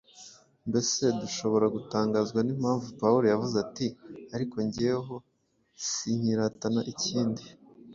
Mbese dushobora gutangazwa n’impamvu Pawulo yavuze ati: “Ariko jyeweho sinkiratana ikindi,